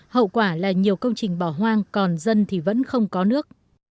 hậu quả là nhiều công trình bỏ hoang còn dân thì vẫn không có nước